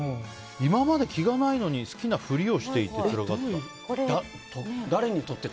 今まで気がないのに好きな振りをしていたって。